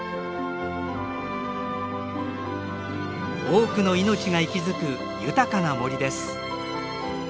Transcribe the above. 多くの命が息づく豊かな森です。